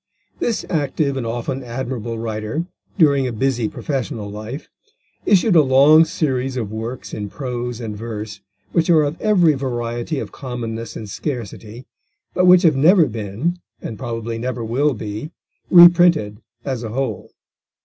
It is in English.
This active and often admirable writer, during a busy professional life, issued a long series of works in prose and verse which are of every variety of commonness and scarcity, but which have never been, and probably never will be, reprinted as a whole.